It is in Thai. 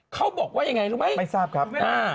เขาบอกว่ายังไงรู้ไหมไม่ทราบครับ